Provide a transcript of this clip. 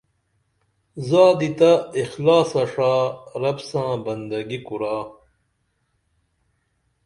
زادی تہ اخلاصہ ݜا رب ساں بندگی کُرا